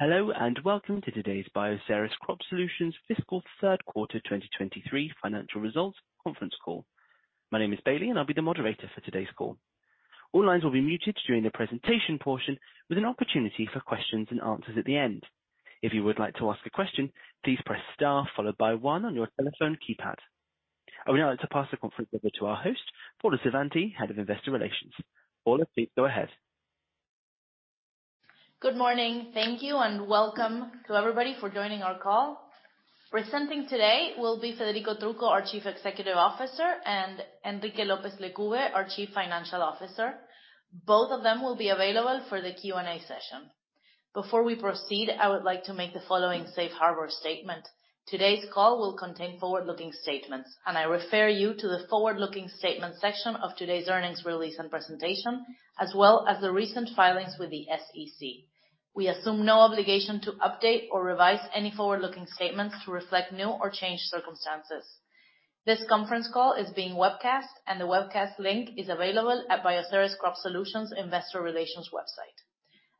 Hello, welcome to today's Bioceres Crop Solutions fiscal third quarter 2023 financial results conference call. My name is Bailey, and I'll be the moderator for today's call. All lines will be muted during the presentation portion, with an opportunity for questions and answers at the end. If you would like to ask a question, please press star followed by one on your telephone keypad. I would now like to pass the conference over to our host, Paula Savanti, Head of Investor Relations. Paula, please go ahead. Good morning. Thank you, and welcome to everybody for joining our call. Presenting today will be Federico Trucco, our Chief Executive Officer, and Enrique Lopez Lecube, our Chief Financial Officer. Both of them will be available for the Q&A session. Before we proceed, I would like to make the following safe harbor statement. Today's call will contain forward-looking statements, and I refer you to the forward-looking statements section of today's earnings release and presentation, as well as the recent filings with the SEC. We assume no obligation to update or revise any forward-looking statements to reflect new or changed circumstances. This conference call is being webcast, and the webcast link is available at Bioceres Crop Solutions Investor Relations website.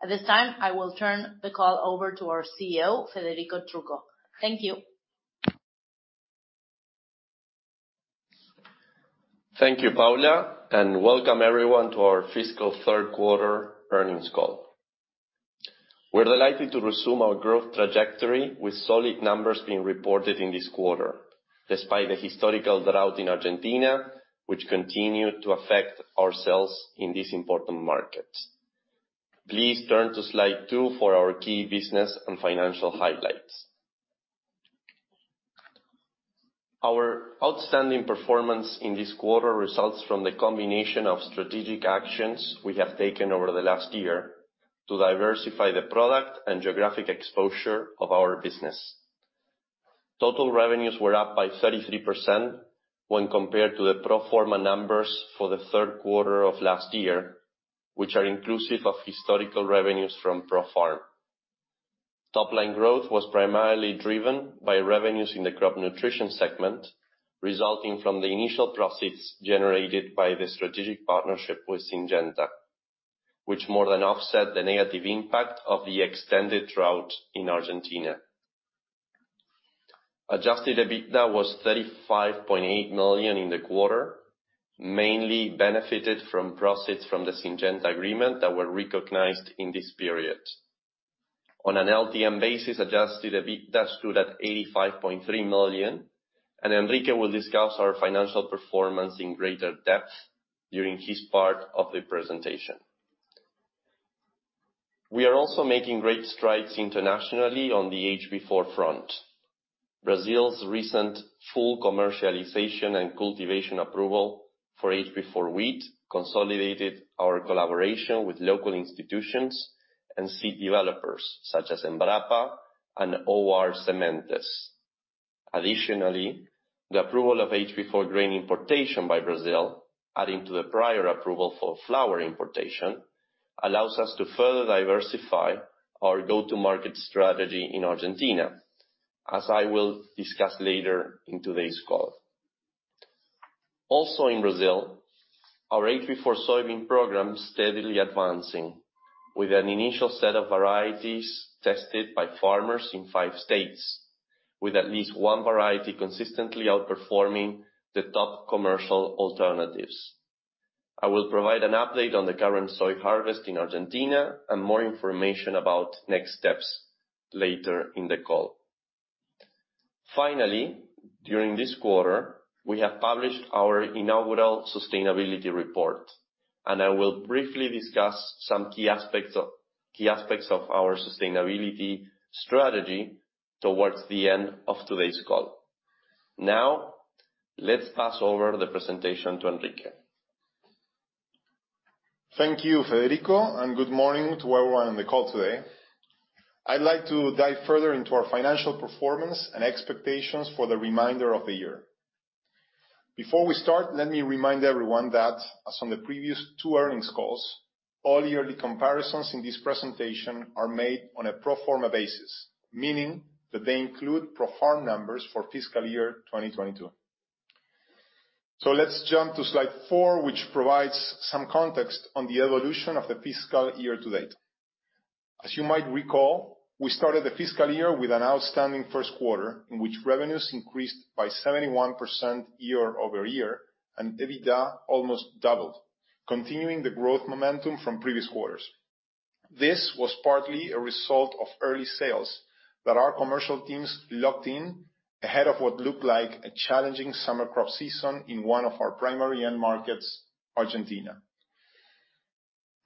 At this time, I will turn the call over to our CEO, Federico Trucco. Thank you. Thank you, Paula. Welcome everyone to our fiscal third quarter earnings call. We're delighted to resume our growth trajectory with solid numbers being reported in this quarter, despite the historical drought in Argentina, which continued to affect our sales in this important market. Please turn to slide two for our key business and financial highlights. Our outstanding performance in this quarter results from the combination of strategic actions we have taken over the last year to diversify the product and geographic exposure of our business. Total revenues were up by 33% when compared to the pro forma numbers for the third quarter of last year, which are inclusive of historical revenues from ProFarm. Top line growth was primarily driven by revenues in the Crop Nutrition segment, resulting from the initial proceeds generated by the strategic partnership with Syngenta, which more than offset the negative impact of the extended drought in Argentina. Adjusted EBITDA was $35.8 million in the quarter, mainly benefited from proceeds from the Syngenta agreement that were recognized in this period. On an LTM basis, Adjusted EBITDA stood at $85.3 million. Enrique will discuss our financial performance in greater depth during his part of the presentation. We are also making great strides internationally on the HB4 front. Brazil's recent full commercialization and cultivation approval for HB4 wheat consolidated our collaboration with local institutions and seed developers such as Embrapa and OR Sementes. The approval of HB4 grain importation by Brazil, adding to the prior approval for flour importation, allows us to further diversify our go-to-market strategy in Argentina, as I will discuss later in today's call. In Brazil, our HB4 soybean program is steadily advancing with an initial set of varieties tested by farmers in five states, with at least one variety consistently outperforming the top commercial alternatives. I will provide an update on the current soy harvest in Argentina and more information about next steps later in the call. During this quarter, we have published our inaugural sustainability report, and I will briefly discuss some key aspects of our sustainability strategy towards the end of today's call. Let's pass over the presentation to Enrique. Thank you, Federico, and good morning to everyone on the call today. I'd like to dive further into our financial performance and expectations for the remainder of the year. Before we start, let me remind everyone that, as on the previous two earnings calls, all yearly comparisons in this presentation are made on a pro forma basis, meaning that they include ProFarm numbers for fiscal year 2022. Let's jump to slide four, which provides some context on the evolution of the fiscal year to date. As you might recall, we started the fiscal year with an outstanding first quarter, in which revenues increased by 71% year-over-year and EBITDA almost doubled, continuing the growth momentum from previous quarters. This was partly a result of early sales that our commercial teams locked in ahead of what looked like a challenging summer crop season in one of our primary end markets, Argentina.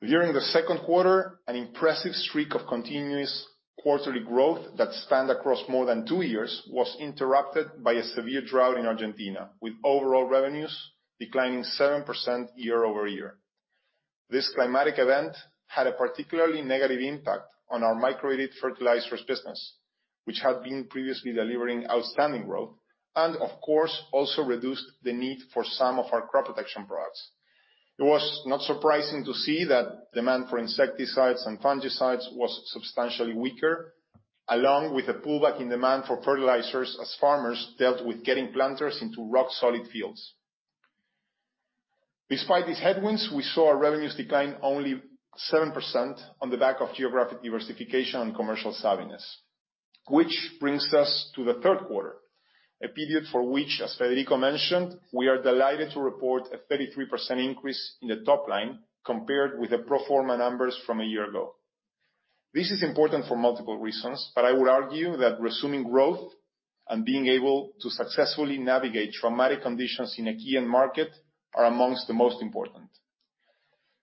During the second quarter, an impressive streak of continuous quarterly growth that spanned across more than two years was interrupted by a severe drought in Argentina, with overall revenues declining 7% year-over-year. This climatic event had a particularly negative impact on our micro-irrigated fertilizers business, which had been previously delivering outstanding growth, and of course, also reduced the need for some of our crop protection products. It was not surprising to see that demand for insecticides and fungicides was substantially weaker, along with a pullback in demand for fertilizers as farmers dealt with getting planters into rock solid fields. Despite these headwinds, we saw our revenues decline only 7% on the back of geographic diversification and commercial savviness. Brings us to the third quarter, a period for which, as Federico mentioned, we are delighted to report a 33% increase in the top line compared with the pro forma numbers from a year ago. This is important for multiple reasons, I would argue that resuming growth and being able to successfully navigate traumatic conditions in a key end market are amongst the most important.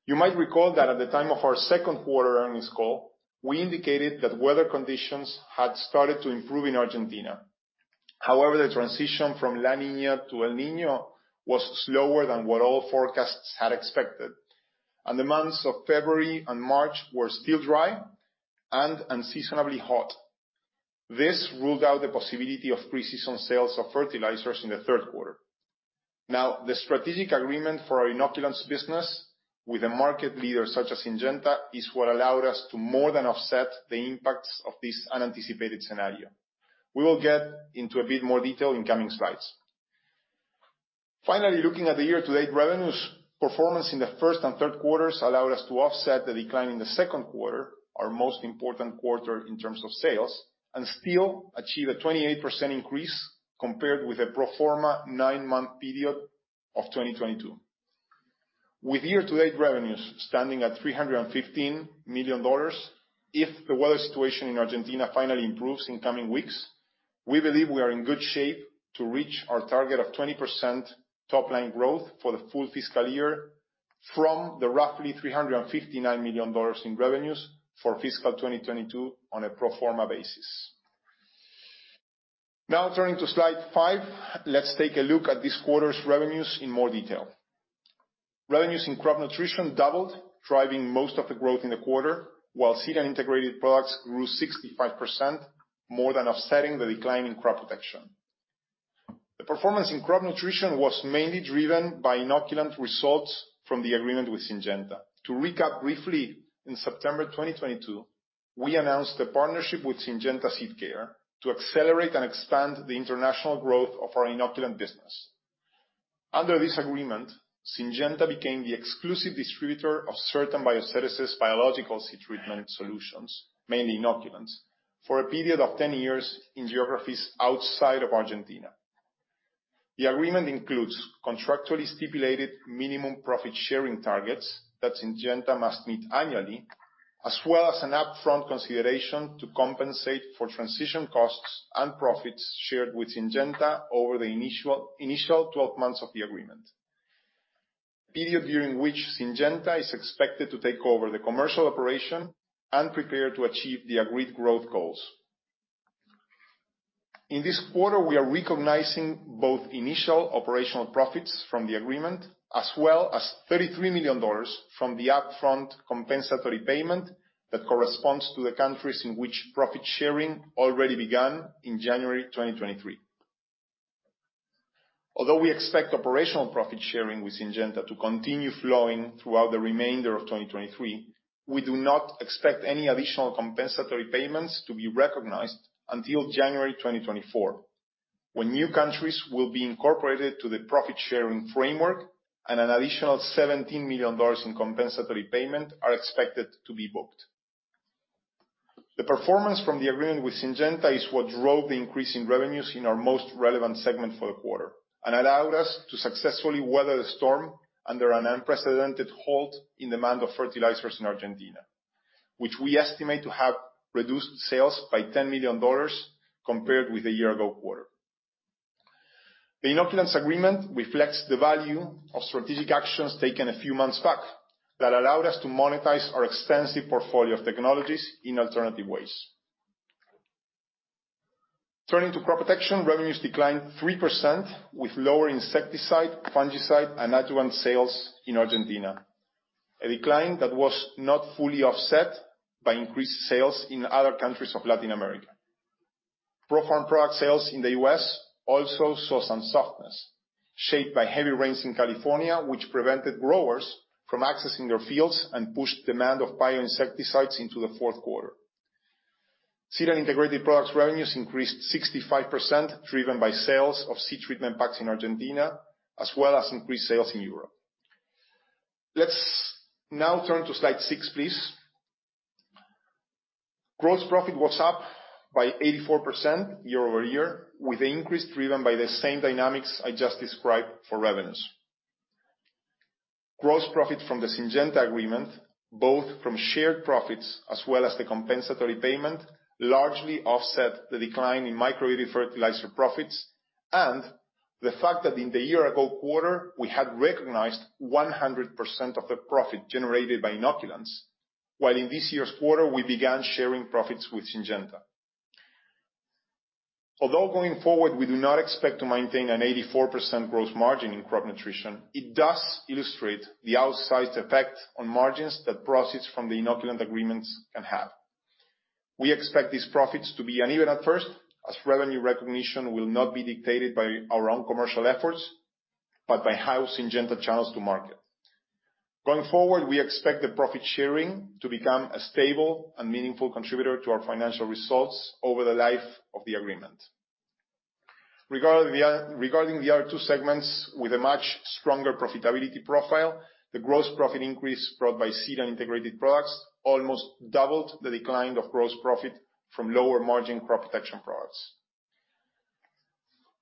You might recall that at the time of our second quarter earnings call, we indicated that weather conditions had started to improve in Argentina. The transition from La Niña to El Niño was slower than what all forecasts had expected, and the months of February and March were still dry and unseasonably hot. This ruled out the possibility of pre-season sales of fertilizers in the third quarter. The strategic agreement for our inoculants business with a market leader such as Syngenta is what allowed us to more than offset the impacts of this unanticipated scenario. We will get into a bit more detail in coming slides. Looking at the year-to-date revenues, performance in the first and third quarters allowed us to offset the decline in the second quarter, our most important quarter in terms of sales, and still achieve a 28% increase compared with the pro forma nine month period of 2022. With year-to-date revenues standing at $315 million, if the weather situation in Argentina finally improves in coming weeks, we believe we are in good shape to reach our target of 20% top line growth for the full fiscal year from the roughly $359 million in revenues for fiscal 2022 on a pro forma basis. Turning to slide five, let's take a look at this quarter's revenues in more detail. Revenues in Crop Nutrition doubled, driving most of the growth in the quarter, while Seed and Integrated Products grew 65%, more than offsetting the decline in Crop Protection. The performance in Crop Nutrition was mainly driven by inoculant results from the agreement with Syngenta. To recap briefly, in September 2022, we announced a partnership with Syngenta Seedcare to accelerate and expand the international growth of our inoculant business. Under this agreement, Syngenta became the exclusive distributor of certain Bioceres' biological seed treatment solutions, mainly inoculants, for a period of 10 years in geographies outside of Argentina. The agreement includes contractually stipulated minimum profit sharing targets that Syngenta must meet annually, as well as an upfront consideration to compensate for transition costs and profits shared with Syngenta over the initial 12 months of the agreement. Period during which Syngenta is expected to take over the commercial operation and prepare to achieve the agreed growth goals. In this quarter, we are recognizing both initial operational profits from the agreement, as well as $33 million from the upfront compensatory payment that corresponds to the countries in which profit sharing already began in January 2023. Although we expect operational profit sharing with Syngenta to continue flowing throughout the remainder of 2023, we do not expect any additional compensatory payments to be recognized until January 2024, when new countries will be incorporated to the profit-sharing framework and an additional $17 million in compensatory payment are expected to be booked. The performance from the agreement with Syngenta is what drove the increase in revenues in our most relevant segment for the quarter and allowed us to successfully weather the storm under an unprecedented halt in demand of fertilizers in Argentina, which we estimate to have reduced sales by $10 million compared with the year-ago quarter. The inoculants agreement reflects the value of strategic actions taken a few months back that allowed us to monetize our extensive portfolio of technologies in alternative ways. Turning to Crop Protection, revenues declined 3% with lower insecticide, fungicide, and adjuvant sales in Argentina, a decline that was not fully offset by increased sales in other countries of Latin America. ProFarm product sales in the US also saw some softness, shaped by heavy rains in California, which prevented growers from accessing their fields and pushed demand of bioinsecticides into the fourth quarter. Seed and Integrated Products revenues increased 65%, driven by sales of seed treatment packs in Argentina, as well as increased sales in Europe. Let's now turn to slide six, please. Gross profit was up by 84% year-over-year, with the increase driven by the same dynamics I just described for revenues. Gross profit from the Syngenta agreement, both from shared profits as well as the compensatory payment, largely offset the decline in microbial fertilizer profits and the fact that in the year ago quarter, we had recognized 100% of the profit generated by inoculants, while in this year's quarter, we began sharing profits with Syngenta. Although going forward, we do not expect to maintain an 84% gross margin in Crop Nutrition, it does illustrate the outsized effect on margins that proceeds from the inoculant agreements can have. We expect these profits to be uneven at first, as revenue recognition will not be dictated by our own commercial efforts, but by how Syngenta channels to market. Going forward, we expect the profit sharing to become a stable and meaningful contributor to our financial results over the life of the agreement. Regarding the other two segments with a much stronger profitability profile, the gross profit increase brought by Seed and Integrated Products almost doubled the decline of gross profit from lower margin Crop Protection products.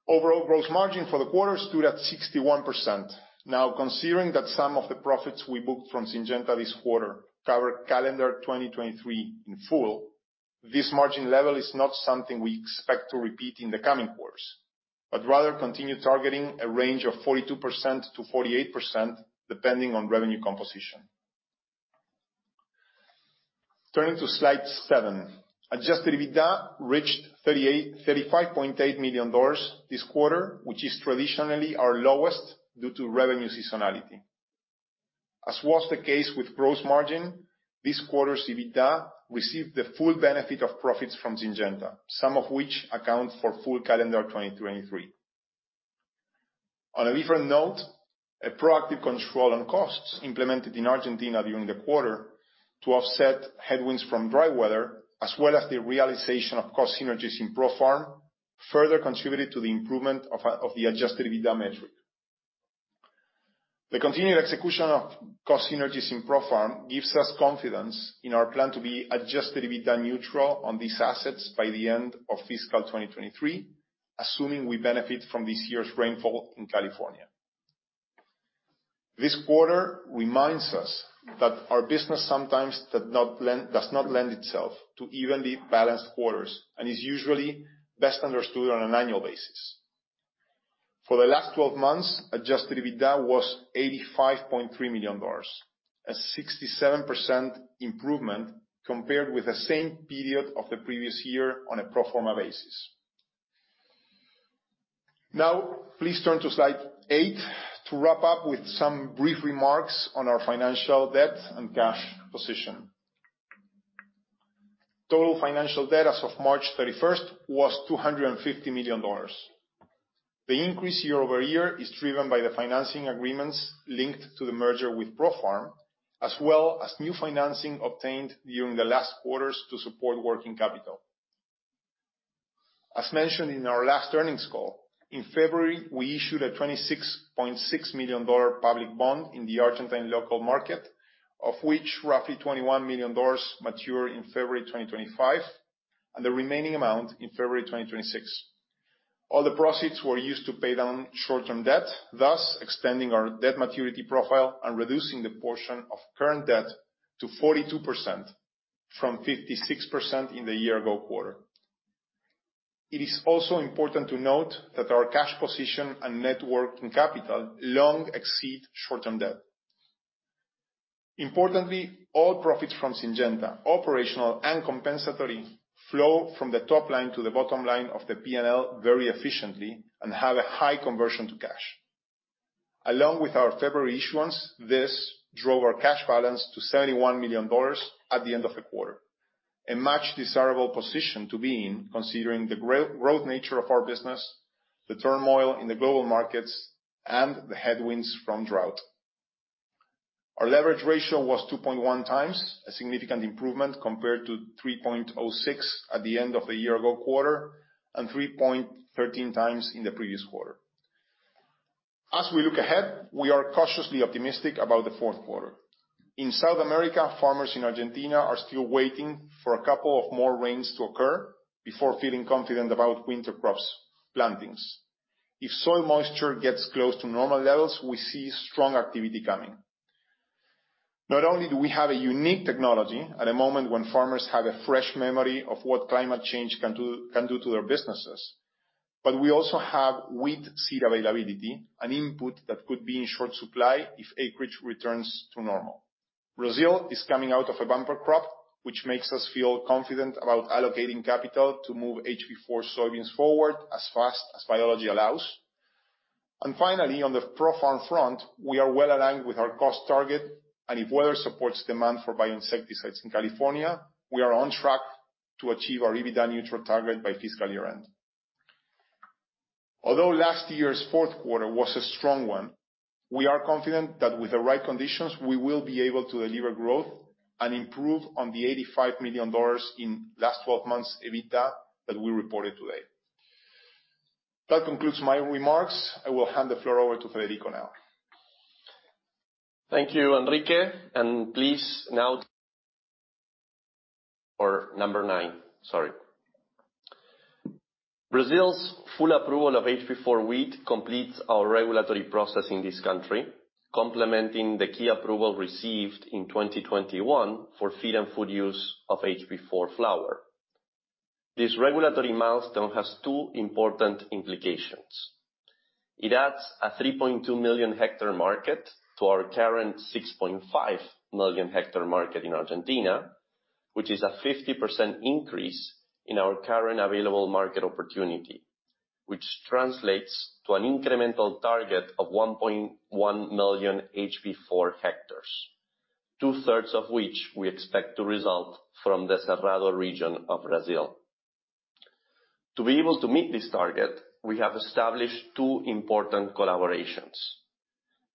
Overall gross margin for the quarter stood at 61%. Considering that some of the profits we booked from Syngenta this quarter cover calendar 2023 in full, this margin level is not something we expect to repeat in the coming quarters, but rather continue targeting a range of 42%-48% depending on revenue composition. Turning to slide seven. Adjusted EBITDA reached $35.8 million this quarter, which is traditionally our lowest due to revenue seasonality. As was the case with gross margin, this quarter's EBITDA received the full benefit of profits from Syngenta, some of which account for full calendar 2023. On a different note, a proactive control on costs implemented in Argentina during the quarter to offset headwinds from dry weather, as well as the realization of cost synergies in ProFarm, further contributed to the improvement of the Adjusted EBITDA metric. The continued execution of cost synergies in ProFarm gives us confidence in our plan to be Adjusted EBITDA neutral on these assets by the end of fiscal 2023, assuming we benefit from this year's rainfall in California. This quarter reminds us that our business sometimes does not lend itself to evenly balanced quarters and is usually best understood on an annual basis. For the last 12 months, Adjusted EBITDA was $85.3 million, a 67% improvement compared with the same period of the previous year on a pro forma basis. Please turn to slide eight to wrap up with some brief remarks on our financial debt and cash position. Total financial debt as of March 31st was $250 million. The increase year-over-year is driven by the financing agreements linked to the merger with ProFarm, as well as new financing obtained during the last quarters to support working capital. As mentioned in our last earnings call, in February, we issued a $26.6 million public bond in the Argentine local market, of which roughly $21 million mature in February 2025, and the remaining amount in February 2026. All the proceeds were used to pay down short-term debt, thus extending our debt maturity profile and reducing the portion of current debt to 42% from 56% in the year ago quarter. It is also important to note that our cash position and net working capital long exceed short-term debt. Importantly, all profits from Syngenta, operational and compensatory, flow from the top line to the bottom line of the PNL very efficiently and have a high conversion to cash. Along with our February issuance, this drove our cash balance to $71 million at the end of the quarter. A much desirable position to be in considering the growth nature of our business, the turmoil in the global markets, and the headwinds from drought. Our leverage ratio was 2.1x, a significant improvement compared to 3.06 at the end of the year ago quarter, and 3.13x in the previous quarter. As we look ahead, we are cautiously optimistic about the fourth quarter. In South America, farmers in Argentina are still waiting for a couple of more rains to occur before feeling confident about winter crops plantings. If soil moisture gets close to normal levels, we see strong activity coming. Not only do we have a unique technology at a moment when farmers have a fresh memory of what climate change can do to their businesses, but we also have wheat seed availability, an input that could be in short supply if acreage returns to normal. Brazil is coming out of a bumper crop, which makes us feel confident about allocating capital to move HB4 soybeans forward as fast as biology allows. Finally, on the ProFarm front, we are well-aligned with our cost target, and if weather supports demand for bioinsecticides in California, we are on track to achieve our EBITDA neutral target by fiscal year-end. Although last year's fourth quarter was a strong one, we are confident that with the right conditions, we will be able to deliver growth and improve on the $85 million in last twelve months EBITDA that we reported today. That concludes my remarks. I will hand the floor over to Federico now. Thank you, Enrique. Please now... Or number nine, sorry. Brazil's full approval of HB4 wheat completes our regulatory process in this country, complementing the key approval received in 2021 for feed and food use of HB4 flour. This regulatory milestone has two important implications. It adds a 3.2 million hectare market to our current 6.5 million hectare market in Argentina, which is a 50% increase in our current available market opportunity, which translates to an incremental target of 1.1 million HB4 hectares, two-thirds of which we expect to result from the Cerrado region of Brazil. To be able to meet this target, we have established two important collaborations.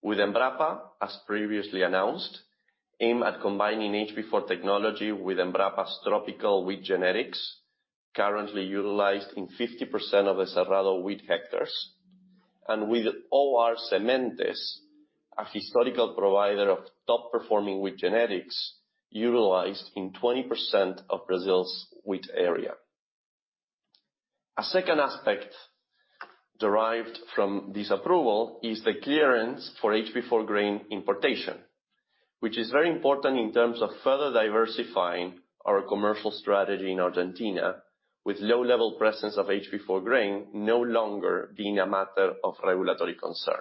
With Embrapa, as previously announced, aimed at combining HB4 technology with Embrapa's tropical wheat genetics, currently utilized in 50% of the Cerrado wheat hectares. With OR Sementes, a historical provider of top-performing wheat genetics utilized in 20% of Brazil's wheat area. A second aspect derived from this approval is the clearance for HB4 grain importation, which is very important in terms of further diversifying our commercial strategy in Argentina, with low level presence of HB4 grain no longer being a matter of regulatory concern.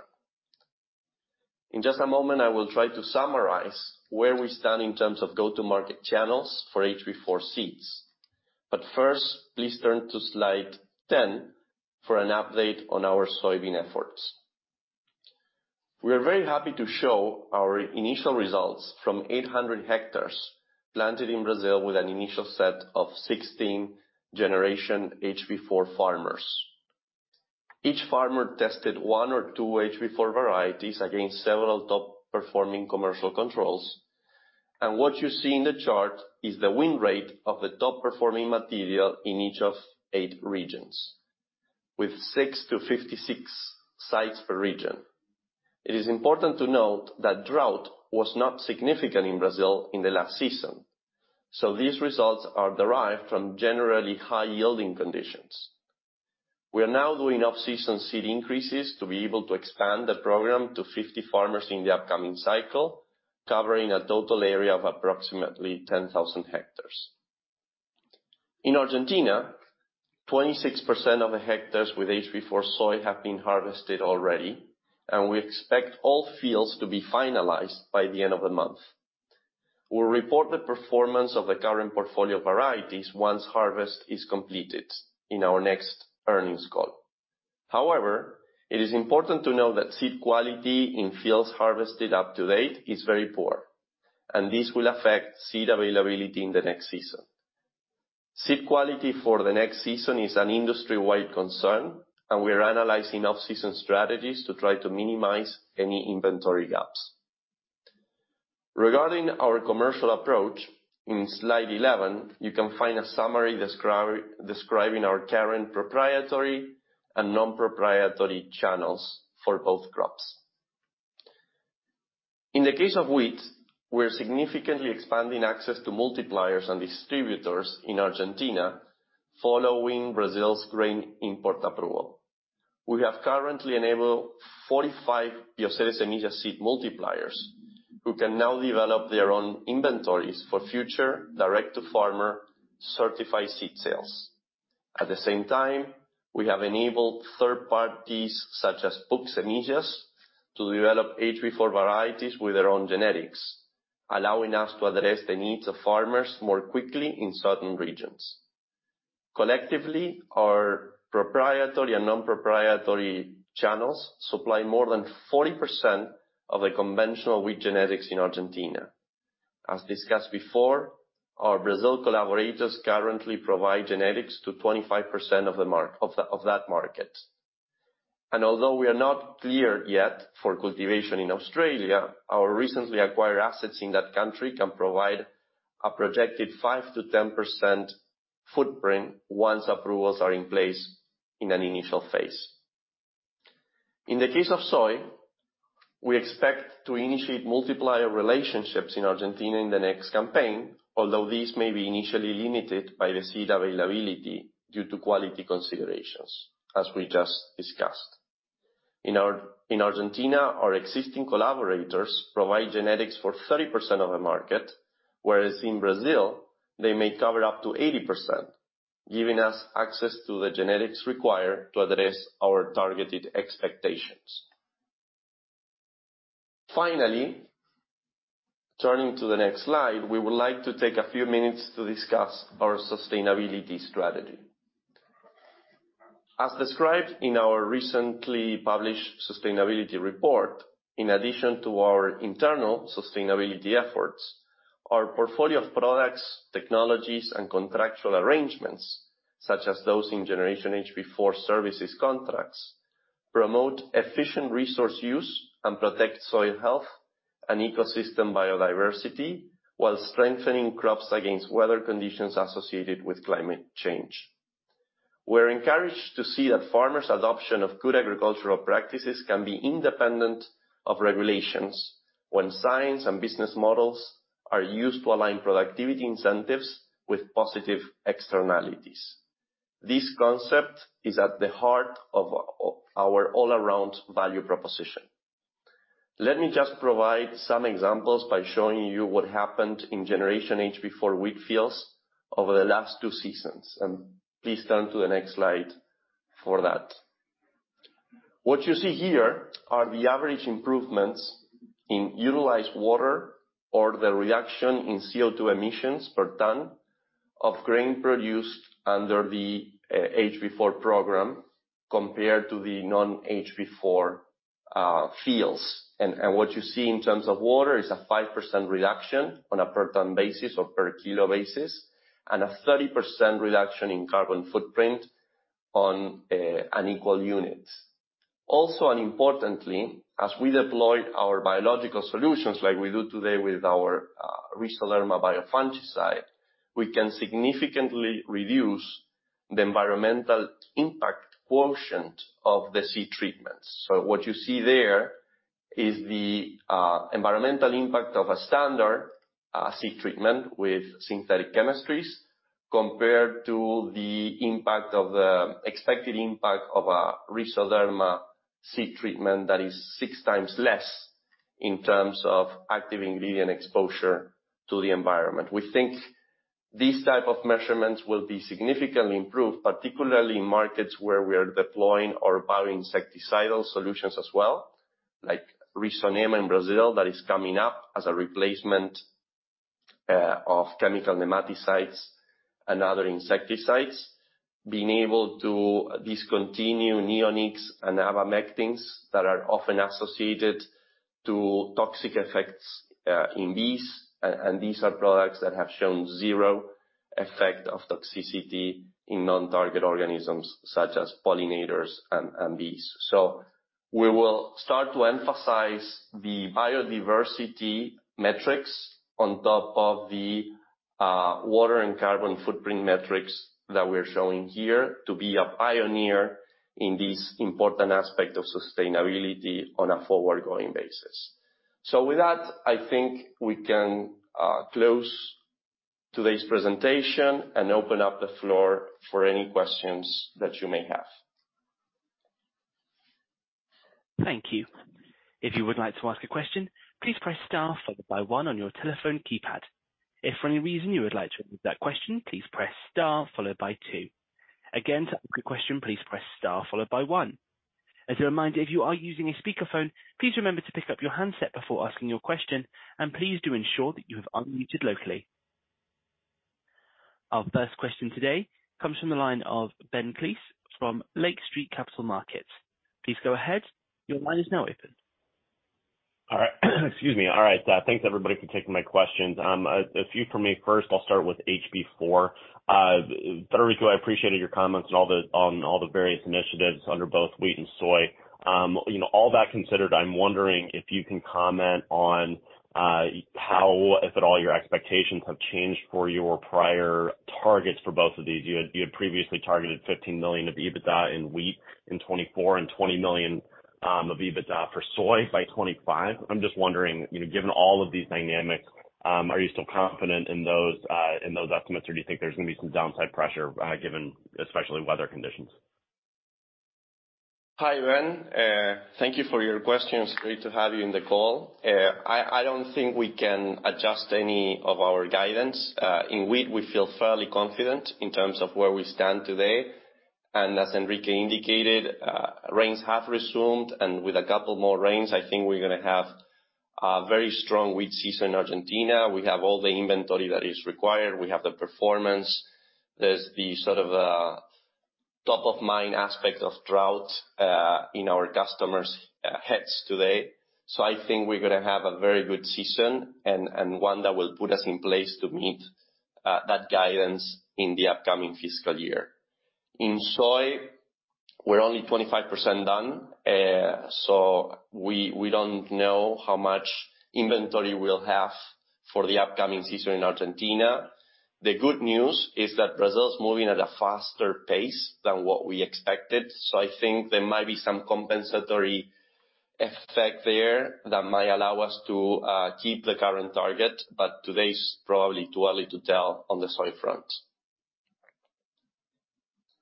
In just a moment, I will try to summarize where we stand in terms of go-to-market channels for HB4 seeds. First, please turn to slide 10 for an update on our soybean efforts. We are very happy to show our initial results from 800 hectares planted in Brazil with an initial set of 16 Generation HB4 farmers. Each farmer tested one or two HB4 varieties against several top-performing commercial controls. What you see in the chart is the win rate of the top-performing material in each of eight regions, with 6-56 sites per region. It is important to note that drought was not significant in Brazil in the last season, so these results are derived from generally high-yielding conditions. We are now doing off-season seed increases to be able to expand the program to 50 farmers in the upcoming cycle, covering a total area of approximately 10,000 hectares. In Argentina, 26% of the hectares with HB4 soy have been harvested already, and we expect all fields to be finalized by the end of the month. We'll report the performance of the current portfolio varieties once harvest is completed in our next earnings call. However, it is important to know that seed quality in fields harvested up to date is very poor, and this will affect seed availability in the next season. Seed quality for the next season is an industry-wide concern. We are analyzing off-season strategies to try to minimize any inventory gaps. Regarding our commercial approach, in slide 11, you can find a summary describing our current proprietary and non-proprietary channels for both crops. In the case of wheat, we're significantly expanding access to multipliers and distributors in Argentina following Brazil's grain import approval. We have currently enabled 45 Bioceres Semillas seed multipliers, who can now develop their own inventories for future direct-to-farmer certified seed sales. At the same time, we have enabled third parties, such as Buck Semillas, to develop HB4 varieties with their own genetics, allowing us to address the needs of farmers more quickly in certain regions. Collectively, our proprietary and non-proprietary channels supply more than 40% of the conventional wheat genetics in Argentina. As discussed before, our Brazil collaborators currently provide genetics to 25% of that market. Although we are not clear yet for cultivation in Australia, our recently acquired assets in that country can provide a projected 5%-10% footprint once approvals are in place in an initial phase. In the case of soy, we expect to initiate multiplier relationships in Argentina in the next campaign, although these may be initially limited by the seed availability due to quality considerations, as we just discussed. In Argentina, our existing collaborators provide genetics for 30% of the market, whereas in Brazil, they may cover up to 80%, giving us access to the genetics required to address our targeted expectations. Turning to the next slide, we would like to take a few minutes to discuss our sustainability strategy. As described in our recently published sustainability report, in addition to our internal sustainability efforts, our portfolio of products, technologies, and contractual arrangements, such as those in Generation HB4 services contracts, promote efficient resource use and protect soil health and ecosystem biodiversity, while strengthening crops against weather conditions associated with climate change. We're encouraged to see that farmers' adoption of good agricultural practices can be independent of regulations when science and business models are used to align productivity incentives with positive externalities. This concept is at the heart of our all-around value proposition. Let me just provide some examples by showing you what happened in Generation HB4 wheat fields over the last two seasons. Please turn to the next slide for that. What you see here are the average improvements in utilized water or the reduction in CO2 emissions per ton of grain produced under the HB4 program compared to the non-HB4 fields. What you see in terms of water is a 5% reduction on a per ton basis or per kilo basis, and a 30% reduction in carbon footprint on an equal unit. Also, importantly, as we deploy our biological solutions like we do today with our Rizoderma biofungicide, we can significantly reduce the environmental impact quotient of the seed treatments. What you see there is the environmental impact of a standard seed treatment with synthetic chemistries compared to the impact of the expected impact of a Rizoderma seed treatment that is six times less in terms of active ingredient exposure to the environment. We think these type of measurements will be significantly improved, particularly in markets where we are deploying our bioinsecticidal solutions as well, like Risonema in Brazil, that is coming up as a replacement of chemical nematicides and other insecticides. Being able to discontinue neonics and abamectins that are often associated to toxic effects in bees. These are products that have shown zero effect of toxicity in non-target organisms such as pollinators and bees. We will start to emphasize the biodiversity metrics on top of the water and carbon footprint metrics that we're showing here to be a pioneer in this important aspect of sustainability on a forward-going basis. With that, I think we can close today's presentation and open up the floor for any questions that you may have. Thank you. If you would like to ask a question, please press star followed by one on your telephone keypad. If for any reason you would like to remove that question, please press star followed by two. Again, to ask a question, please press star followed by one. As a reminder, if you are using a speakerphone, please remember to pick up your handset before asking your question, and please do ensure that you have unmuted locally. Our first question today comes from the line of Ben Klieve from Lake Street Capital Markets. Please go ahead. Your line is now open. All right. Excuse me. All right. Thanks everybody for taking my questions. A few for me. First, I'll start with HB4. Federico, I appreciated your comments on all the various initiatives under both wheat and soy. You know, all that considered, I'm wondering if you can comment on how, if at all, your expectations have changed for your prior targets for both of these. You had previously targeted $15 million of EBITDA in wheat in 2024 and $20 million of EBITDA for soy by 2025. I'm just wondering, you know, given all of these dynamics, are you still confident in those in those estimates or do you think there's gonna be some downside pressure, given especially weather conditions? Hi, Ben. Thank you for your question. It's great to have you in the call. I don't think we can adjust any of our guidance. In wheat, we feel fairly confident in terms of where we stand today. As Enrique indicated, rains have resumed, and with a couple more rains, I think we're gonna have a very strong wheat season in Argentina. We have all the inventory that is required. We have the performance. There's the sort of a top-of-mind aspect of drought in our customers' heads today. I think we're gonna have a very good season and one that will put us in place to meet that guidance in the upcoming fiscal year. In soy, we're only 25% done. We don't know how much inventory we'll have for the upcoming season in Argentina. The good news is that Brazil's moving at a faster pace than what we expected. I think there might be some compensatory effect there that might allow us to keep the current target. Today's probably too early to tell on the soy front.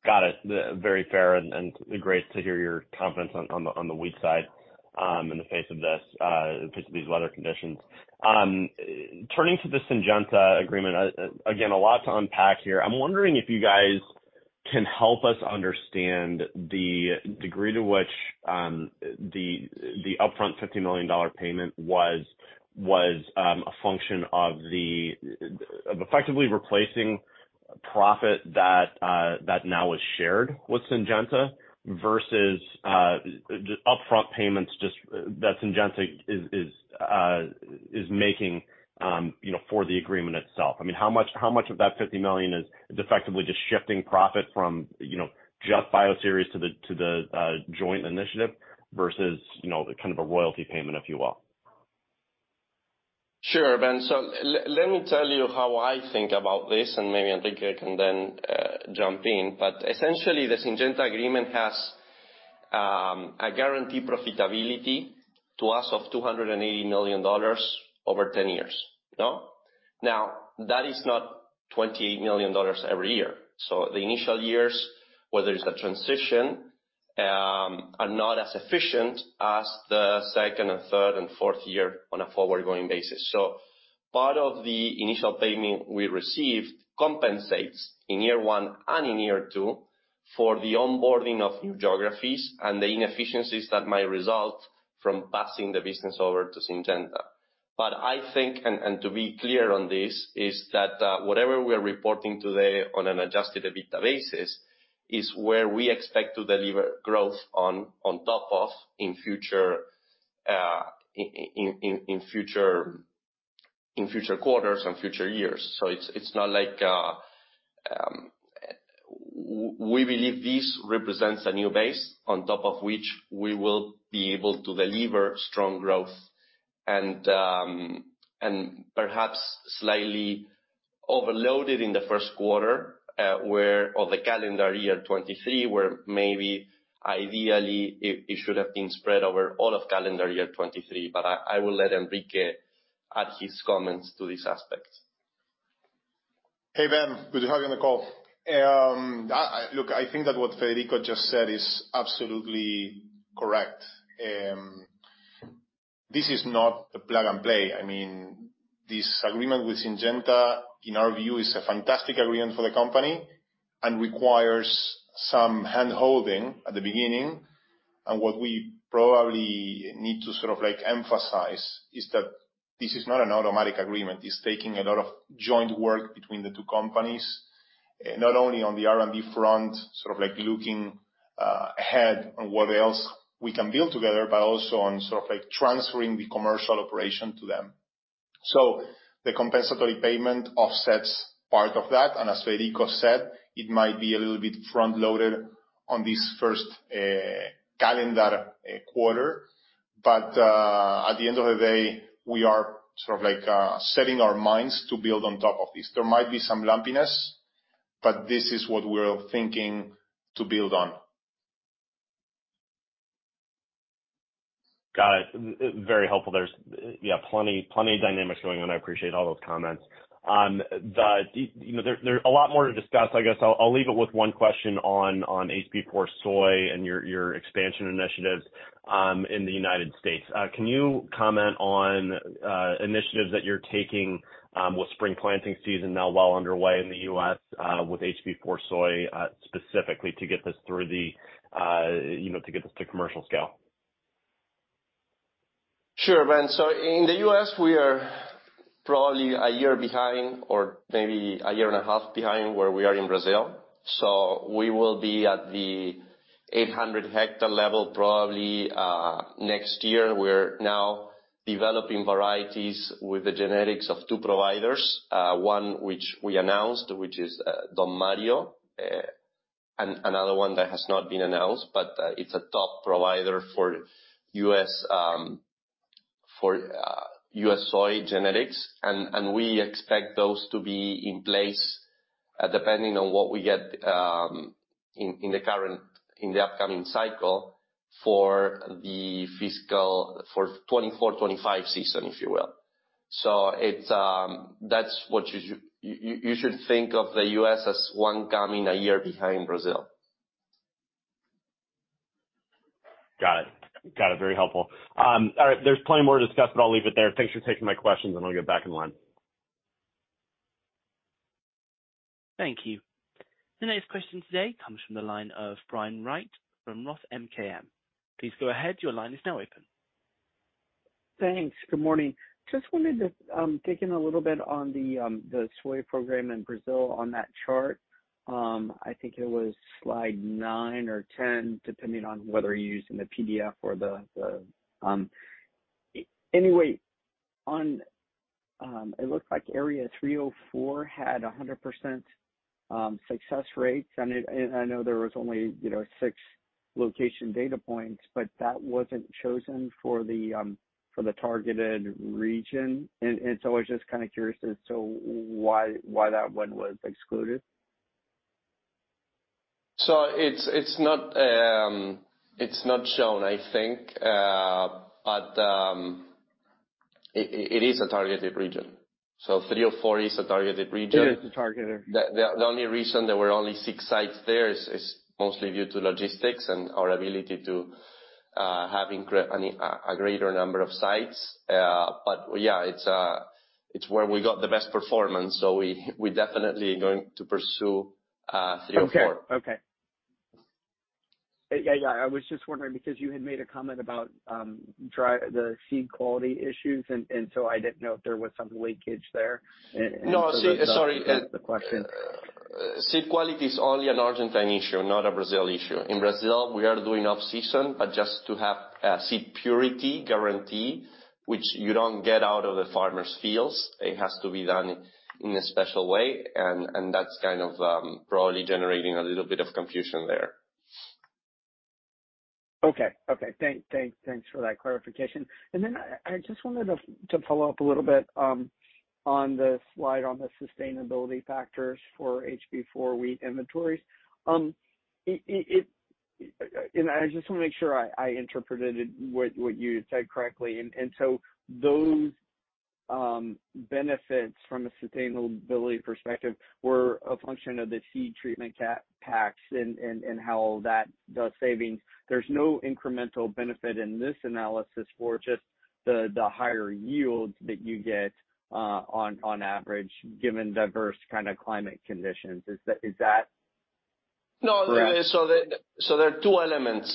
Got it. Very fair and great to hear your confidence on the wheat side, in the face of this, in case of these weather conditions. Turning to the Syngenta agreement, again, a lot to unpack here. I'm wondering if you guys can help us understand the degree to which the upfront $50 million payment was a function of effectively replacing profit that now is shared with Syngenta versus up-front payments just that Syngenta is making, you know, for the agreement itself. I mean, how much of that $50 million is effectively just shifting profit from, you know, just Bioceres to the joint initiative versus, you know, kind of a royalty payment, if you will? Sure, Ben. let me tell you how I think about this, and maybe Enrique can then jump in. Essentially, the Syngenta agreement has a guaranteed profitability to us of $280 million over 10 years. No? That is not $28 million every year. The initial years, where there's a transition, are not as efficient as the second and third and fourth year on a forward-going basis. Part of the initial payment we received compensates in year one and in year two for the onboarding of new geographies and the inefficiencies that might result from passing the business over to Syngenta. I think, and to be clear on this, is that whatever we are reporting today on an Adjusted EBITDA basis is where we expect to deliver growth on top of in future quarters and future years. It's, it's not like we believe this represents a new base on top of which we will be able to deliver strong growth. Perhaps slightly overloaded in the first quarter or the calendar year 2023, where maybe ideally it should have been spread over all of calendar year 2023. I will let Enrique add his comments to this aspect. Hey, Ben, good to have you on the call. I, look, I think that what Federico just said is absolutely correct. This is not a plug and play. I mean, this agreement with Syngenta, in our view, is a fantastic agreement for the company and requires some hand-holding at the beginning. What we probably need to sort of like emphasize is that this is not an automatic agreement. It's taking a lot of joint work between the two companies, not only on the R&D front, sort of like looking ahead on what else we can build together, but also on sort of like transferring the commercial operation to them. The compensatory payment offsets part of that, and as Federico said, it might be a little bit front-loaded on this first calendar quarter. At the end of the day, we are sort of like, setting our minds to build on top of this. There might be some lumpiness, but this is what we're thinking to build on. Got it. Very helpful. There's, yeah, plenty of dynamics going on. I appreciate all those comments. The, you know, there's a lot more to discuss. I guess I'll leave it with one question on HB4 Soy and your expansion initiatives in the United States. Can you comment on initiatives that you're taking with spring planting season now well underway in the U.S., with HB4 Soy, specifically to get this through the, you know, to get this to commercial scale? Sure, Ben. In the U.S., we are probably a year behind or maybe a year and a half behind where we are in Brazil. We will be at the 800 hectare level probably next year. We're now developing varieties with the genetics of two providers, one which we announced, which is Don Mario, another one that has not been announced, but it's a top provider for U.S., for U.S. soy genetics. We expect those to be in place depending on what we get in the current, in the upcoming cycle for the fiscal for 2024, 2025 season, if you will. It's that's what you should think of the U.S. as one coming a year behind Brazil. Got it. Got it. Very helpful. All right, there's plenty more to discuss, but I'll leave it there. Thanks for taking my questions, and I'll get back in line. Thank you. The next question today comes from the line of Brian Wright from Roth MKM. Please go ahead. Your line is now open. Thanks. Good morning. Just wanted to dig in a little bit on the soy program in Brazil on that chart. I think it was slide nine or 10, depending on whether you're using the PDF or Anyway, on, it looked like area 304 had 100% success rates, and I know there was only, you know, six location data points, but that wasn't chosen for the targeted region. I was just kind of curious as to why that one was excluded. It's not shown, I think, but it is a targeted region. 304 is a targeted region. It is a targeted region. The only reason there were only six sites there is mostly due to logistics and our ability to, I mean, a greater number of sites. Yeah, it's where we got the best performance. We definitely are going to pursue 304. Okay. Yeah, I was just wondering because you had made a comment about the seed quality issues and so I didn't know if there was some leakage there. No, seed... Sorry. That's the question. Seed quality is only an Argentine issue, not a Brazil issue. In Brazil, we are doing off-season, but just to have a seed purity guarantee, which you don't get out of the farmers' fields, it has to be done in a special way. That's kind of probably generating a little bit of confusion there. Okay. Okay. Thanks for that clarification. Then I just wanted to follow up a little bit on the slide on the sustainability factors for HB4 wheat inventories. I just wanna make sure I interpreted what you had said correctly. So those benefits from a sustainability perspective were a function of the seed treatment packs and how that does savings. There's no incremental benefit in this analysis for just the higher yields that you get on average, given diverse kind of climate conditions. Is that- There are two elements.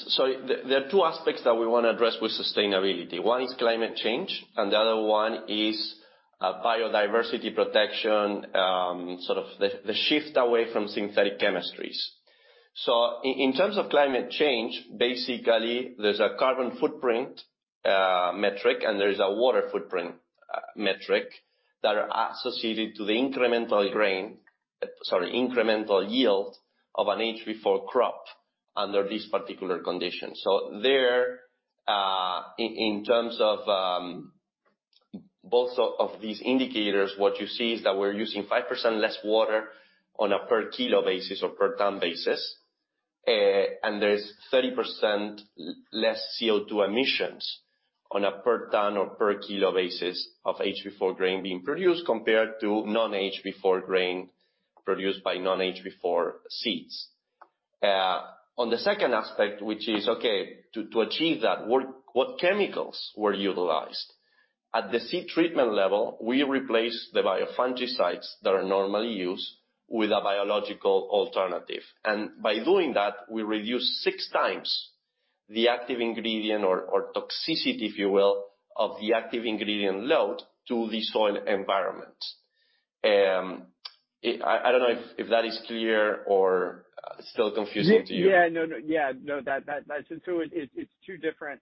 There are two aspects that we want to address with sustainability. One is climate change, and the other one is biodiversity protection, sort of the shift away from synthetic chemistries. In terms of climate change, basically, there's a carbon footprint metric, and there is a water footprint metric that are associated to the incremental yield of an HB4 crop under this particular condition. In terms of both of these indicators, what you see is that we're using 5% less water on a per kilo basis or per ton basis. There's 30% less CO2 emissions on a per ton or per kilo basis of HB4 grain being produced compared to non-HB4 grain produced by non-HB4 seeds. On the second aspect, which is, okay, to achieve that, what chemicals were utilized? At the seed treatment level, we replaced the biofungicides that are normally used with a biological alternative. By doing that, we reduced 6 times the active ingredient or toxicity, if you will, of the active ingredient load to the soil environment. I don't know if that is clear or still confusing to you. Yeah, no. Yeah, no, that, so It's two different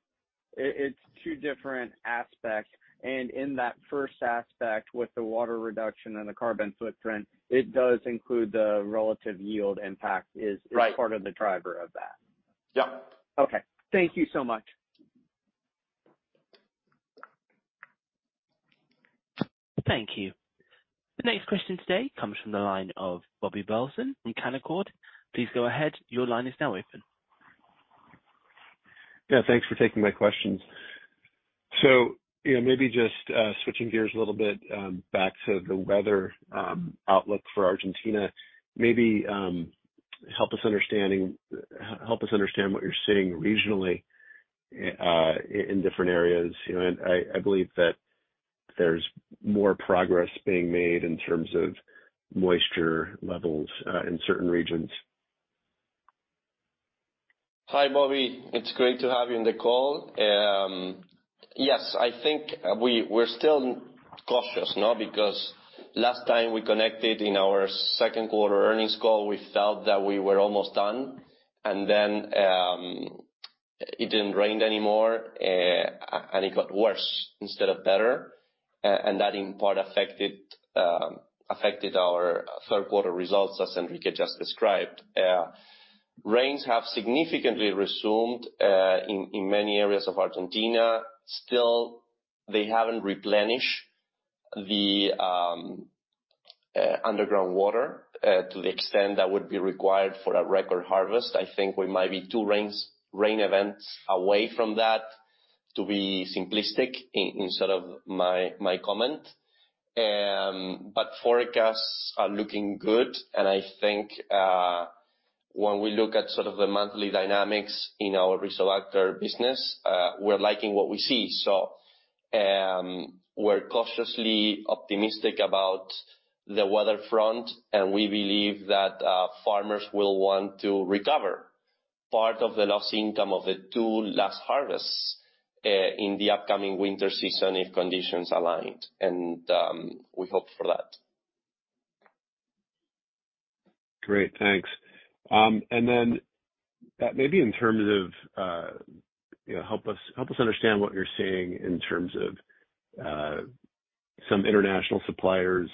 aspects. In that first aspect, with the water reduction and the carbon footprint, it does include the relative yield impact. Right. -is part of the driver of that. Yeah. Okay. Thank you so much. Thank you. The next question today comes from the line of Bobby Burleson from Canaccord Genuity. Please go ahead. Your line is now open. Yeah, thanks for taking my questions. You know, maybe just switching gears a little bit back to the weather outlook for Argentina. Maybe help us understand what you're seeing regionally in different areas. You know, I believe that there's more progress being made in terms of moisture levels in certain regions. Hi, Bobby. It's great to have you on the call. Yes, I think we're still cautious, no, because last time we connected in our second quarter earnings call, we felt that we were almost done. Then, it didn't rain anymore, and it got worse instead of better. That in part affected our third quarter results, as Enrique just described. Rains have significantly resumed in many areas of Argentina. Still, they haven't replenish the underground water to the extent that would be required for a record harvest. I think we might be two rain events away from that, to be simplistic in sort of my comment. Forecasts are looking good, and I think, when we look at sort of the monthly dynamics in our Rizobacter business, we're liking what we see. We're cautiously optimistic about the weather front, and we believe that farmers will want to recover part of the lost income of the two last harvests, in the upcoming winter season if conditions aligned. We hope for that. Great. Thanks. Then maybe in terms of, you know, help us, help us understand what you're seeing in terms of, some international suppliers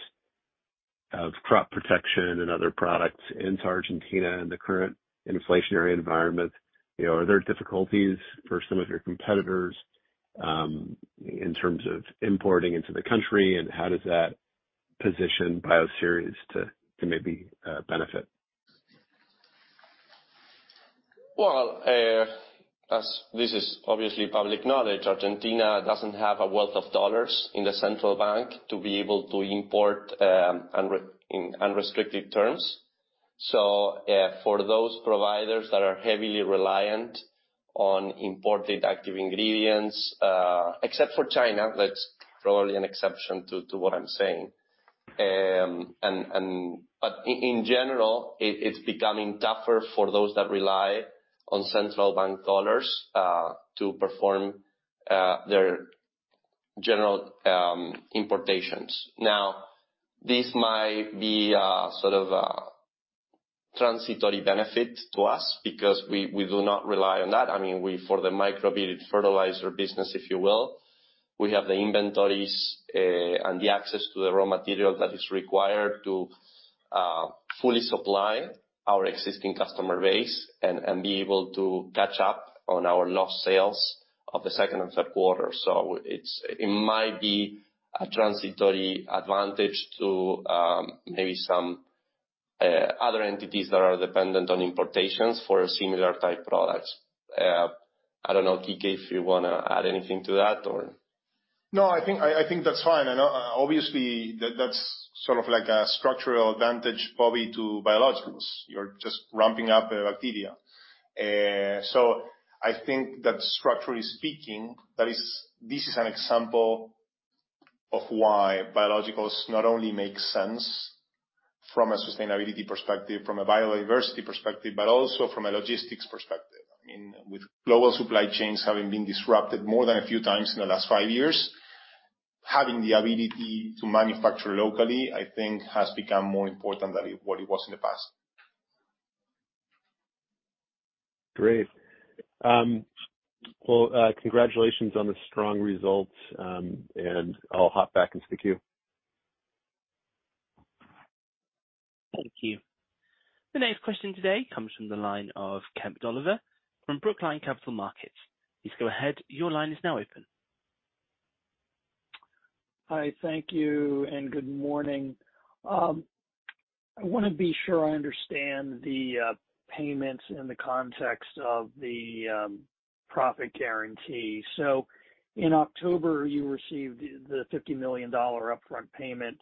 of crop protection and other products into Argentina in the current inflationary environment. You know, are there difficulties for some of your competitors, in terms of importing into the country, and how does that position Bioceres to maybe, benefit? Well, as this is obviously public knowledge, Argentina doesn't have a wealth of dollars in the central bank to be able to import in unrestricted terms. For those providers that are heavily reliant on imported active ingredients, except for China, that's probably an exception to what I'm saying. In general, it's becoming tougher for those that rely on central bank dollars to perform their general importations. This might be a sort of a transitory benefit to us because we do not rely on that. I mean, we, for the microbial fertilizer business, if you will, we have the inventories and the access to the raw material that is required to fully supply our existing customer base and be able to catch up on our lost sales of the second and third quarter. It might be a transitory advantage to maybe some other entities that are dependent on importations for similar type products. I don't know, Enrique, if you wanna add anything to that or? No, I think that's fine. Obviously, that's sort of like a structural advantage, probably to biologicals. You're just ramping up the bacteria. I think that structurally speaking, that is. This is an example. Of why biologicals not only make sense from a sustainability perspective, from a biodiversity perspective, but also from a logistics perspective. I mean, with global supply chains having been disrupted more than a few times in the last five years, having the ability to manufacture locally, I think has become more important than what it was in the past. Great. Well, congratulations on the strong results, and I'll hop back into the queue. Thank you. The next question today comes from the line of Kemp Dolliver from Brookline Capital Markets. Please go ahead. Your line is now open. Hi. Thank you and good morning. I wanna be sure I understand the payments in the context of the profit guarantee. In October, you received the $50 million upfront payment,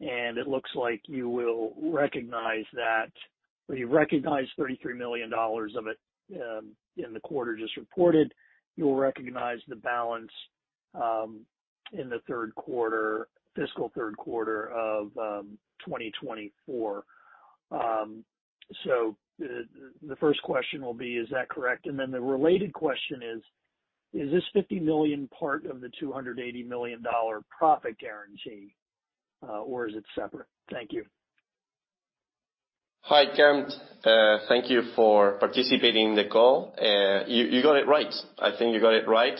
and it looks like you will recognize that. Well, you recognized $33 million of it in the quarter just reported. You'll recognize the balance in the third quarter, fiscal third quarter of 2024. The first question will be, is that correct? The related question is this $50 million part of the $280 million profit guarantee, or is it separate? Thank you. Hi, Kemp. Thank you for participating in the call. You got it right. I think you got it right.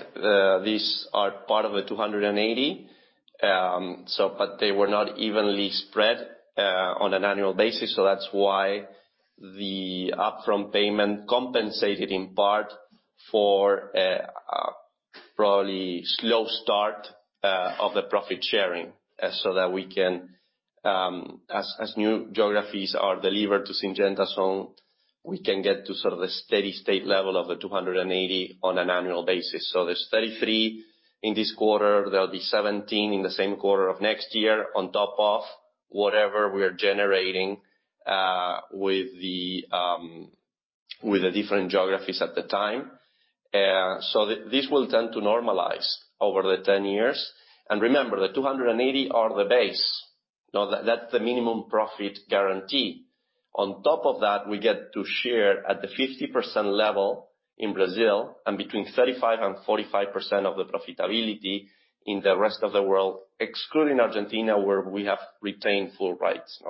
These are part of the 280, so but they were not evenly spread on an annual basis, so that's why the upfront payment compensated in part for probably slow start of the profit sharing, so that we can as new geographies are delivered to Syngenta zone, we can get to sort of a steady state level of the 280 on an annual basis. There's 33 in this quarter. There'll be 17 in the same quarter of next year on top of whatever we are generating with the different geographies at the time. This will tend to normalize over the 10 years. Remember, the $280 are the base. Now that's the minimum profit guarantee. On top of that, we get to share at the 50% level in Brazil and between 35% and 45% of the profitability in the rest of the world, excluding Argentina, where we have retained full rights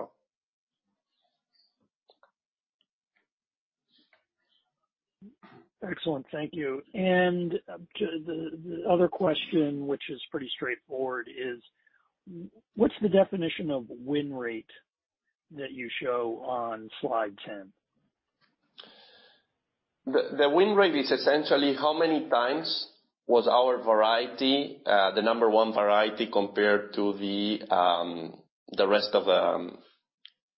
now. Excellent. Thank you. The other question, which is pretty straightforward, is what's the definition of win rate that you show on slide 10? The win rate is essentially how many times was our variety, the number one variety compared to the rest of the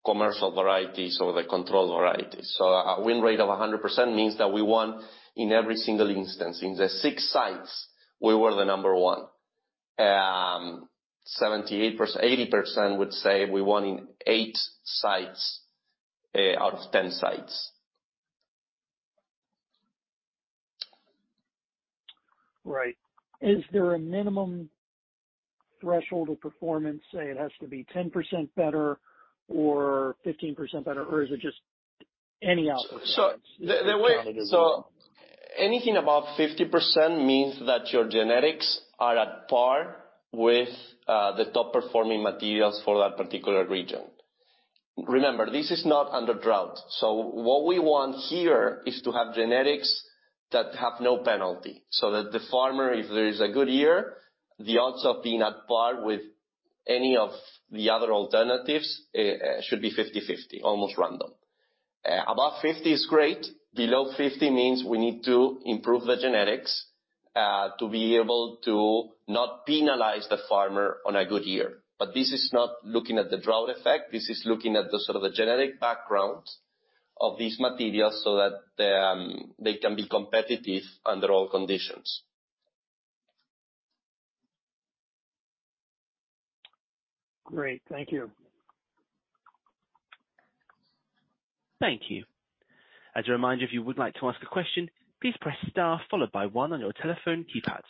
commercial varieties or the control varieties. A win rate of 100% means that we won in every single instance. In the 6 sites, we were the number one. 78%, 80% would say we won in eight sites out of 10 sites. Right. Is there a minimum threshold of performance, say it has to be 10% better or 15% better, or is it just any output? Anything above 50% means that your genetics are at par with the top performing materials for that particular region. Remember, this is not under drought. What we want here is to have genetics that have no penalty, so that the farmer, if there is a good year, the odds of being at par with any of the other alternatives should be 50/50, almost random. Above 50 is great. Below 50 means we need to improve the genetics to be able to not penalize the farmer on a good year. This is not looking at the drought effect. This is looking at the sort of the genetic background of these materials so that they can be competitive under all conditions. Great. Thank you. Thank you. As a reminder, if you would like to ask a question, please press star followed by one on your telephone keypad.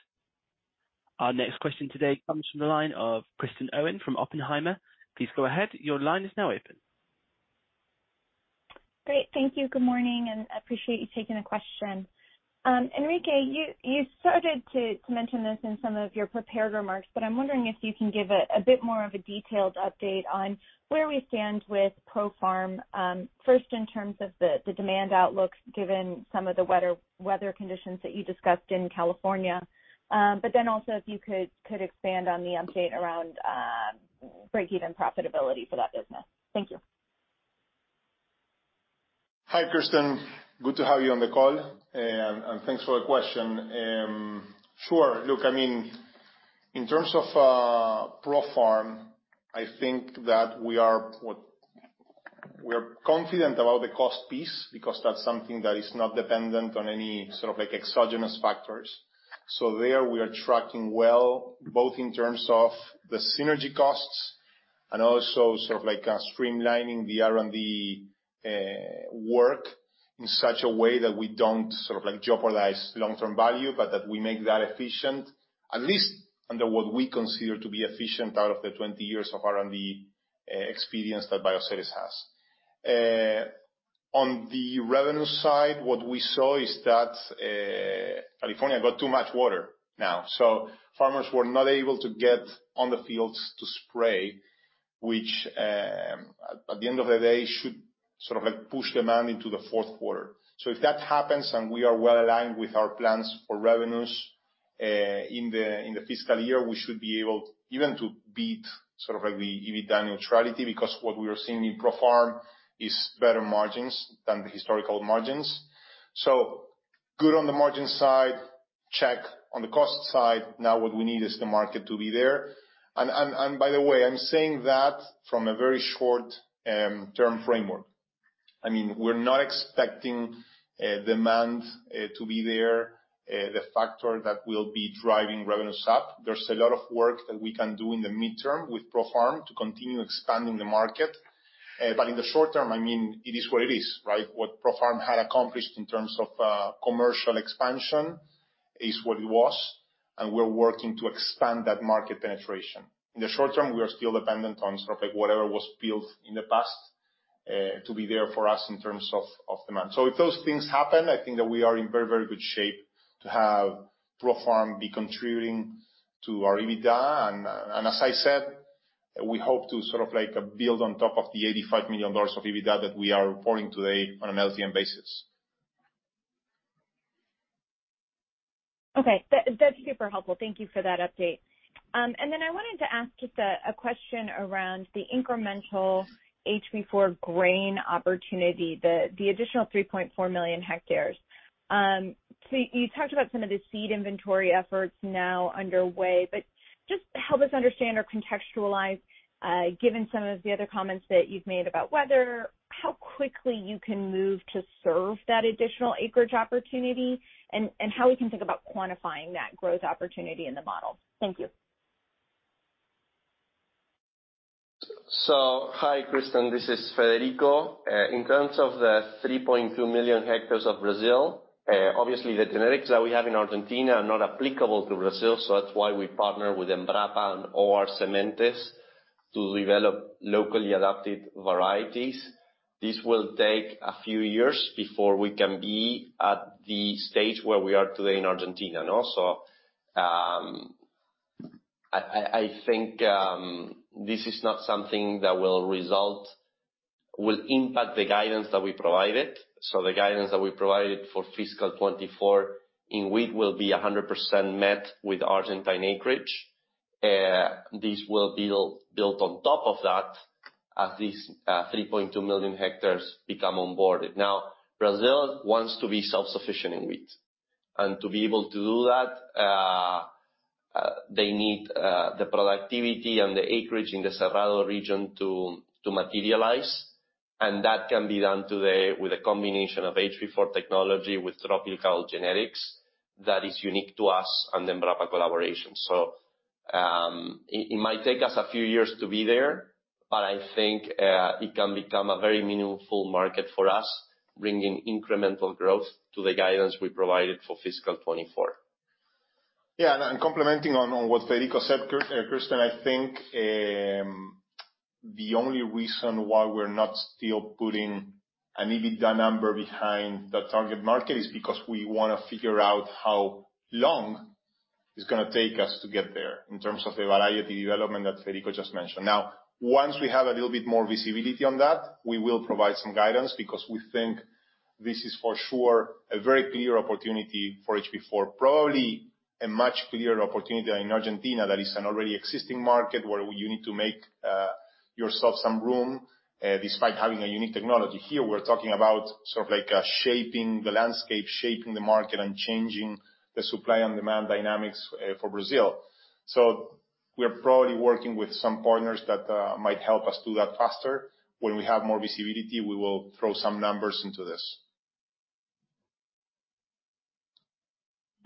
Our next question today comes from the line of Kristen Owen from Oppenheimer. Please go ahead. Your line is now open. Great. Thank you. Good morning, appreciate you taking the question. Enrique, you started to mention this in some of your prepared remarks, but I'm wondering if you can give a bit more of a detailed update on where we stand with ProFarm, first in terms of the demand outlook, given some of the weather conditions that you discussed in California. Also if you could expand on the update around break-even profitability for that business. Thank you. Hi, Kristen. Good to have you on the call, and thanks for the question. Sure. Look, I mean, in terms of ProFarm, I think that we are We're confident about the cost piece because that's something that is not dependent on any sort of like exogenous factors. There, we are tracking well, both in terms of the synergy costs Streamlining the R&D work in such a way that we don't jeopardize long-term value, but that we make that efficient, at least under what we consider to be efficient out of the 20 years of R&D experience that Bioceres has. On the revenue side, what we saw is that California got too much water now, so farmers were not able to get on the fields to spray, which, at the end of the day, should push demand into the fourth quarter. If that happens and we are well-aligned with our plans for revenues, in the fiscal year, we should be able even to beat the EBITDA neutrality because what we are seeing in ProFarm is better margins than the historical margins. Good on the margin side, check on the cost side. What we need is the market to be there. By the way, I'm saying that from a very short term framework. I mean, we're not expecting demand to be there, the factor that will be driving revenues up. There's a lot of work that we can do in the midterm with ProFarm to continue expanding the market. In the short term, I mean, it is what it is, right? What ProFarm had accomplished in terms of commercial expansion is what it was, and we're working to expand that market penetration. In the short term, we are still dependent on sort of like whatever was built in the past, to be there for us in terms of demand. If those things happen, I think that we are in very, very good shape to have ProFarm be contributing to our EBITDA. As I said, we hope to sort of like build on top of the $85 million of EBITDA that we are reporting today on an LTM basis. Okay. That's super helpful. Thank you for that update. Then I wanted to ask just a question around the incremental HB4 grain opportunity, the additional 3.4 million hectares. You talked about some of the seed inventory efforts now underway, but just help us understand or contextualize, given some of the other comments that you've made about weather, how quickly you can move to serve that additional acreage opportunity and how we can think about quantifying that growth opportunity in the model. Thank you. Hi, Kristen. This is Federico. In terms of the 3.2 million hectares of Brazil, obviously the genetics that we have in Argentina are not applicable to Brazil. That's why we partner with Embrapa and OR Sementes to develop locally adapted varieties. This will take a few years before we can be at the stage where we are today in Argentina. I think this is not something that will impact the guidance that we provided. The guidance that we provided for fiscal 2024 in wheat will be 100% met with Argentine acreage. This will build, built on top of that as these 3.2 million hectares become onboarded. Brazil wants to be self-sufficient in wheat. To be able to do that, they need the productivity and the acreage in the Cerrado region to materialize, and that can be done today with a combination of HB4 technology with tropical genetics that is unique to us and the Embrapa collaboration. It might take us a few years to be there, but I think it can become a very meaningful market for us, bringing incremental growth to the guidance we provided for fiscal 2024. Complimenting on what Federico said, Kristen, I think the only reason why we're not still putting an EBITDA number behind that target market is because we wanna figure out how long it's gonna take us to get there in terms of the variety development that Federico just mentioned. Once we have a little bit more visibility on that, we will provide some guidance because we think this is for sure a very clear opportunity for HB4, probably a much clearer opportunity than in Argentina that is an already existing market where you need to make yourself some room despite having a unique technology. Here, we're talking about sort of like shaping the landscape, shaping the market, and changing the supply and demand dynamics for Brazil. We are probably working with some partners that might help us do that faster. When we have more visibility, we will throw some numbers into this.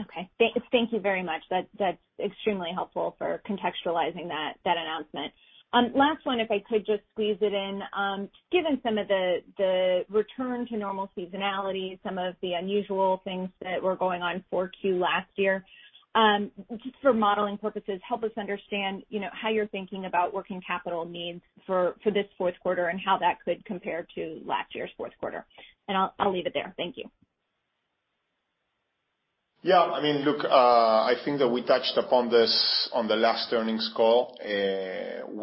Okay. Thank you very much. That, that's extremely helpful for contextualizing that announcement. Last one, if I could just squeeze it in. Given some of the return to normal seasonality, some of the unusual things that were going on in Q4 last year, just for modeling purposes, help us understand, you know, how you're thinking about working capital needs for this fourth quarter and how that could compare to last year's fourth quarter. I'll leave it there. Thank you. Yeah. I mean, look, I think that we touched upon this on the last earnings call.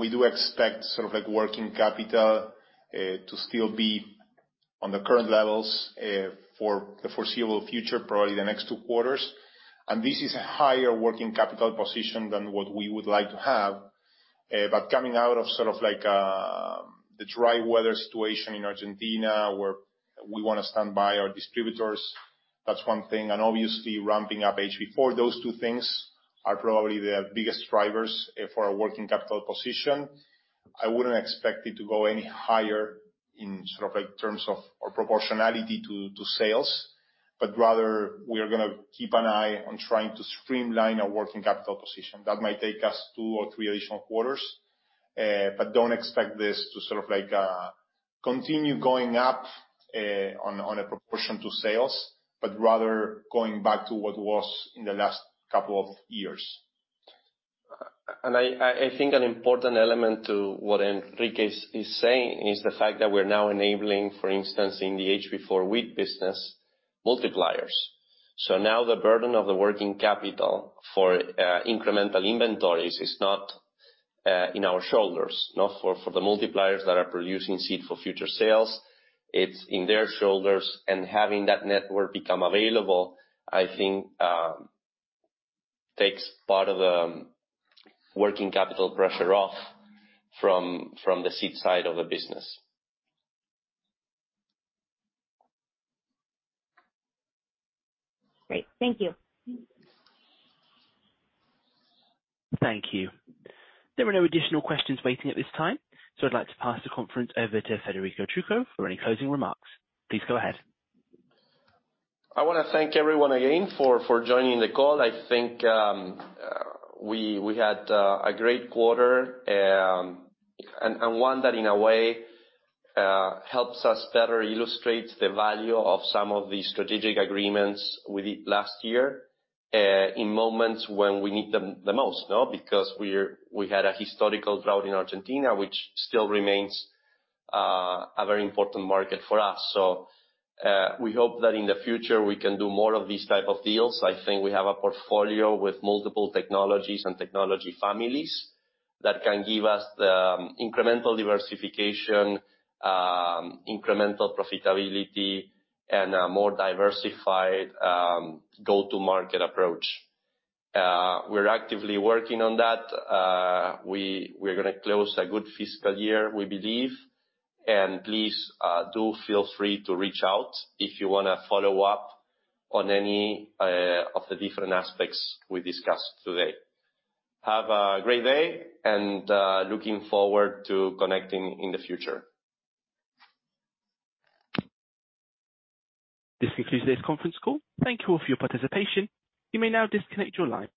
We do expect sort of like working capital to still be on the current levels for the foreseeable future, probably the next two quarters. This is a higher working capital position than what we would like to have. Coming out of sort of like the dry weather situation in Argentina where we wanna stand by our distributors, that's one thing. Obviously ramping up HB4, those two things are probably the biggest drivers for our working capital position. I wouldn't expect it to go any higher in sort of like terms of or proportionality to sales. Rather we are gonna keep an eye on trying to streamline our working capital position. That might take us two or three additional quarters, but don't expect this to sort of like continue going up on a proportion to sales, but rather going back to what was in the last couple of years. I think an important element to what Enrique is saying is the fact that we're now enabling, for instance, in the HB4 wheat business, multipliers. Now the burden of the working capital for incremental inventories is not in our shoulders. Not for the multipliers that are producing seed for future sales. It's in their shoulders, and having that network become available, I think, takes part of the working capital pressure off from the seed side of the business. Great. Thank you. Thank you. There are no additional questions waiting at this time, so I'd like to pass the conference over to Federico Trucco for any closing remarks. Please go ahead. I wanna thank everyone again for joining the call. I think we had a great quarter, and one that in a way helps us better illustrate the value of some of the strategic agreements we did last year in moments when we need them the most, no? We had a historical drought in Argentina, which still remains a very important market for us. We hope that in the future, we can do more of these type of deals. I think we have a portfolio with multiple technologies and technology families that can give us the incremental diversification, incremental profitability and a more diversified go-to-market approach. We're gonna close a good fiscal year, we believe. Please, do feel free to reach out if you wanna follow up on any of the different aspects we discussed today. Have a great day, looking forward to connecting in the future. This concludes today's conference call. Thank you all for your participation. You may now disconnect your line.